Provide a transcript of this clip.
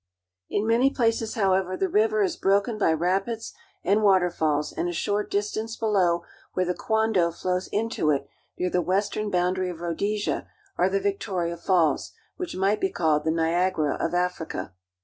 In many places, however, the river is broken by rapids and water falls, and a short distance below, where the Quando flows into it near the western boundary of Rhodesia, are the Victoria Falls, which might be called the Niagara of Africa.